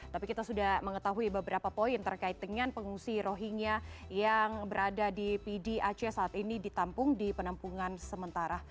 tapi kita sudah mengetahui beberapa poin terkait dengan pengungsi rohingya yang berada di pdi aceh saat ini ditampung di penampungan sementara